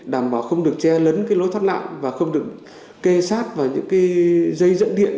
đảm bảo không được che lấn cái lối thoát nạn và không được kê sát vào những cái dây dẫn điện